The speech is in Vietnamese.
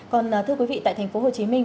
còn thưa quý vị tại thành phố hồ chí minh